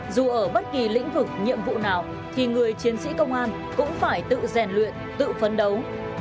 dù ở bất kỳ lĩnh vực nhiệm vụ nào thì người chiến sĩ công an cũng phải tự rèn luyện tự phấn đấu